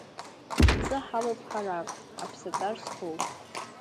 Абҵы ҳамоуп ҳара, аԥсаҵар зхоу.